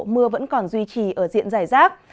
mưa vẫn còn duy trì ở diện giải rác